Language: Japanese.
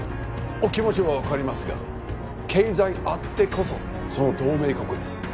お気持ちは分かりますが経済あってこそその同盟国です